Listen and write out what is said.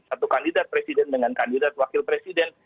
satu kandidat presiden dengan kandidat wakil presiden